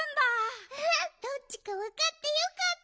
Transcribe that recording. フフッどっちかわかってよかった！